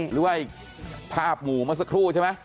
หรือว่าภาพหมู่เมื่อสักครู่ใช่ไหม